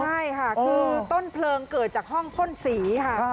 ใช่ค่ะคือต้นเพลิงเกิดจากห้องพ่นสีค่ะ